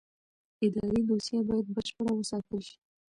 اداري دوسیه باید بشپړه وساتل شي.